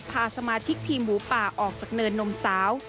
พาสมาชิกทีมหมูป่าออกจากเนินนมสาว